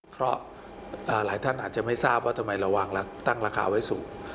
เพราะหลายท่านอาจจะไม่ทราบว่าทำไมเราวางตั้งราคาไว้สูง